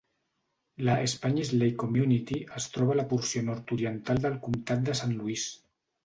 La Spanish Lake Community es troba a la porció nord-oriental del comtat de Saint Louis.